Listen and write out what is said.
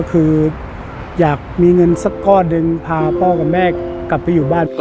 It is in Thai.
คืออยากมีเงินสักก้อนหนึ่งพาพ่อกับแม่กลับไปอยู่บ้าน